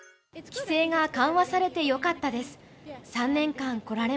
規制が緩和されてよかったです。